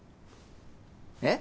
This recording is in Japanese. えっ？